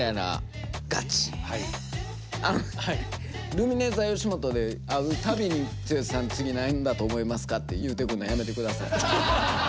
ルミネｔｈｅよしもとで会うたびに「剛さん次何だと思いますか？」って言うてくんのやめて下さい。